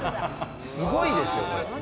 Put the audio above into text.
すごいですよ、これ。